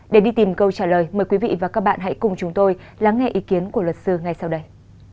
để đi tìm câu trả lời mời quý vị và các bạn hãy cùng chúng tôi lắng nghe ý kiến của luật sư ngay sau đây